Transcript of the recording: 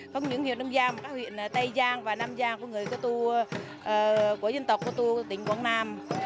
không những huyện đông giang mà các huyện tây giang và nam giang của người cơ tu của dân tộc cơ tu tỉnh quảng nam